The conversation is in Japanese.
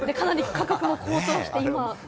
価格も高騰していて。